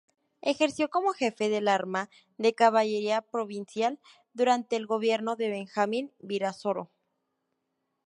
Ejerció como jefe del arma de caballería provincial durante el gobierno de Benjamín Virasoro.